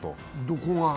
どこが？